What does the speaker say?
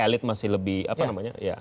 elit masih lebih apa namanya